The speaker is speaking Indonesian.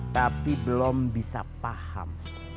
tapi belum bisa paham